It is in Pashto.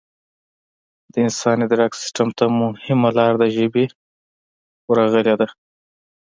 د انسان ادراک سیستم ته مهمه لار د ژبې ورغلې ده